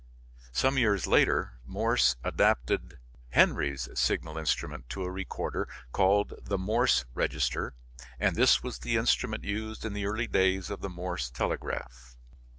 Some years later Morse adapted Henry's signal instrument to a recorder, called the Morse register, and this was the instrument used in the early days of the Morse telegraph.